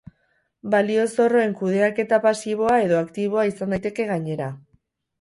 Balio-zorroen kudeaketa pasiboa edo aktiboa izan daiteke gainera.